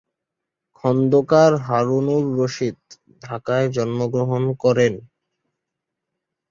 খন্দকার হারুন-উর-রশিদ ঢাকায় জন্মগ্রহণ করেন।